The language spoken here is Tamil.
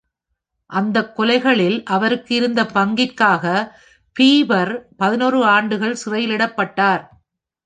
அந்த கொலைகளில் அவருக்கு இருந்த பங்கிற்காக பீய்ப்பர் பதினொரு ஆண்டுகள் சிறையிலிடப்பட்டார்.